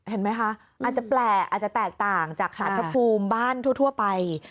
เห็นไหมคะอาจจะแปลกต่างจากภาพภูมิบ้านทั่วไป